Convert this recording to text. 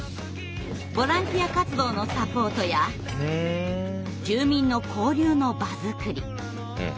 ボランティア活動のサポートや住民の交流の場作り